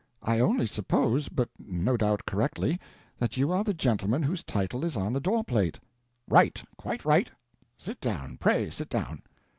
I only suppose—but no doubt correctly—that you are the gentleman whose title is on the doorplate." "Right, quite right—sit down, pray sit down."